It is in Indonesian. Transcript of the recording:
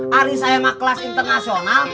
hari saya nggak kelas internasional